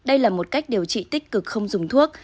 đây là một cách điều trị tích cực không dùng thuốc